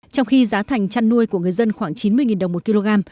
trong khi giá thành chăn nuôi của người dân khoảng chín mươi đồng một kg